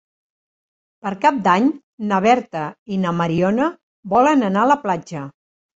Per Cap d'Any na Berta i na Mariona volen anar a la platja.